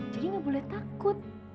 jadi gak boleh takut